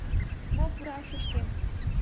Мо пура ушышкем: